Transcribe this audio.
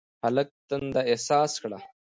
هلک تنده احساس کړه.